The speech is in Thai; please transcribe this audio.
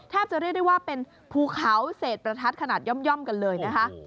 จะเรียกได้ว่าเป็นภูเขาเศษประทัดขนาดย่อมกันเลยนะคะ